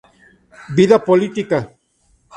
Vida política".